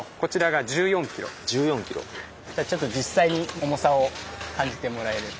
実際に重さを感じてもらえれば。